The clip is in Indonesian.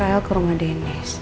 kak rafael ke rumah dennis